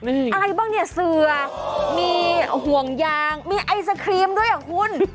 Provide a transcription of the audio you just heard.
อะไรบ้างเนี่ยเสือมีห่วงยางมีไอศครีมด้วยอ่ะคุณ